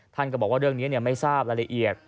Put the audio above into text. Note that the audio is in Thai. ท่านก็บอกว่าเรื่องนี้ไม่ทราบรายละเอียด